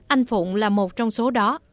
anh phụng là một trong số đó